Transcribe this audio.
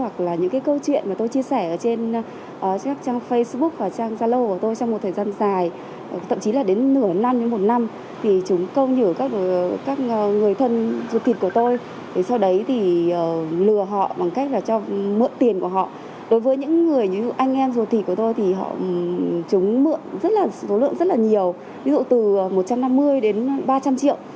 chúng mượn số lượng rất là nhiều ví dụ từ một trăm năm mươi đến ba trăm linh triệu